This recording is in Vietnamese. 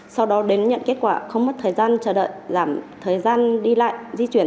sau đó đến nhận kết quả không mất thời gian chờ đợi giảm thời gian đi lại di chuyển